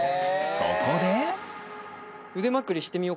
そこで。